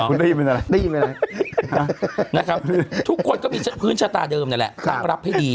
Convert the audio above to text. คุณได้ยินมั้ยเลยทุกคนก็มีพื้นชะตาเดิมนั่นแหละตั้งรับให้ดี